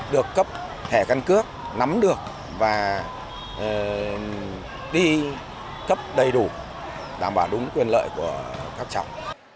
được cấp thẻ căn cước nắm được và đi cấp đầy đủ đảm bảo đúng quyền lợi của các cháu